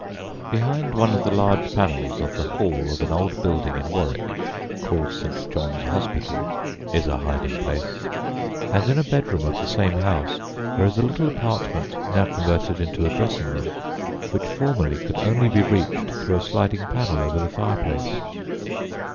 Behind one of the large panels of "the hall" of an old building in Warwick called St. John's Hospital is a hiding place, and in a bedroom of the same house there is a little apartment, now converted into a dressing room, which formerly could only be reached through a sliding panel over the fireplace.